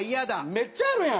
めっちゃあるやん！